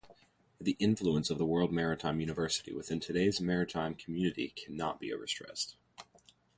The influence of the World Maritime University within today's maritime community cannot be overstressed.